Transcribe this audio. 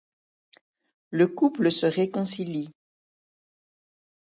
Le couple se réconcilie.